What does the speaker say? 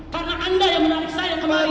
karena anda yang menarik saya kemarin